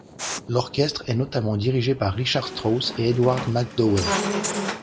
L'orchestre est notamment dirigé par Richard Strauss et Edward MacDowell.